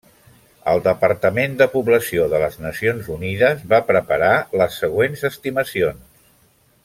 El Departament de Població de les Nacions Unides va preparar les següents estimacions.